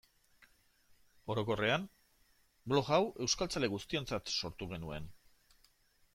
Orokorrean, blog hau euskaltzale guztiontzat sortu genuen.